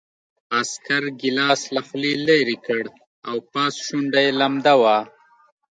عسکر ګیلاس له خولې لېرې کړ او پاس شونډه یې لمده وه